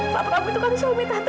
waktu kamu itu kan sulit tante